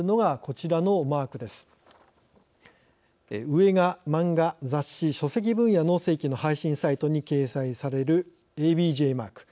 上が漫画・雑誌・書籍分野の正規の配信サイトに掲載されるＡＢＪマーク。